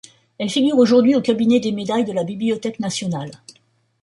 Elle figure aujourd’hui au cabinet des médailles de la Bibliothèque nationale.